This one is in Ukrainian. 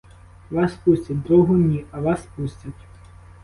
Вас пустять; другу — ні, а вас пустять.